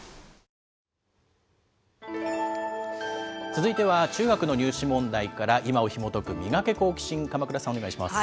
続いては中学の入試問題から今をひもとく、ミガケ、好奇心！、鎌倉さん、お願いします。